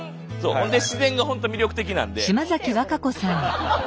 ほんで自然が本当魅力的なんで。